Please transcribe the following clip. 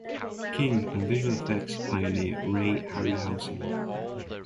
King, and visual effects pioneer Ray Harryhausen.